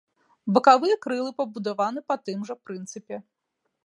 Бакавыя крылы пабудаваны па тым жа прынцыпе.